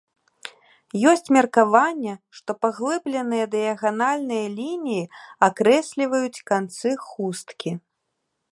Ёсць меркаванне, што паглыбленыя дыяганальныя лініі акрэсліваюць канцы хусткі.